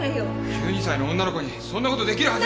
１２歳の女の子にそんなことできるはず。